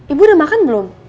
ibu udah makan belum